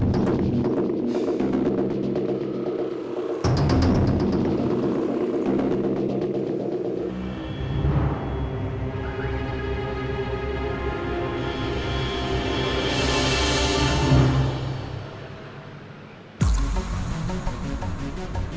tapi nadanya nampaknya terkat